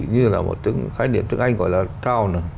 như là một cái khái niệm tương anh gọi là town